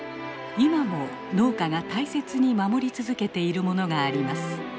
今も農家が大切に守り続けているものがあります。